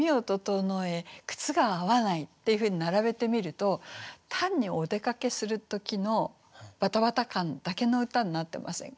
「靴が合わない」っていうふうに並べてみると単にお出かけする時のバタバタ感だけの歌になってませんか？